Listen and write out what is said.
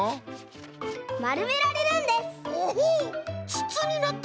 つつになった！